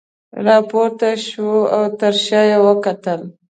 راپورته شوه او تر شاه یې وکتل.